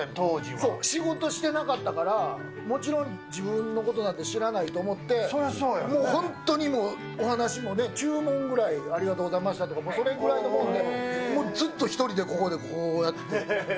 そう、仕事してなかったから、もちろん自分のことなんて知らないと思って、もう本当にもう、お話もね、注文ぐらい、ありがとうございましたとか、それぐらいのもんで、もうずっと１人でここでこうやって。